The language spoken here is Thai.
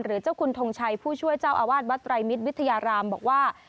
เจ้าคุณทงชัยผู้ช่วยเจ้าอาวาสวัดไตรมิตรวิทยารามบอกว่า